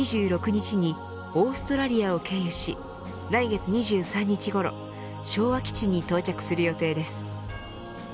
２６日にオーストラリアを経由し来月２３日ごろ昭和基地に到着する予定です。